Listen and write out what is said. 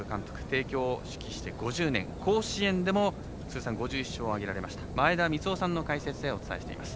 帝京を指揮して５０年甲子園でも通算５１勝を上げられました、前田三夫さんの解説でお伝えしています。